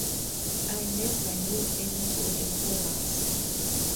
I never knew anybody who was.